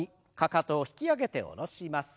かかとを引き上げて下ろします。